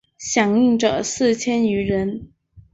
响应者四千余人。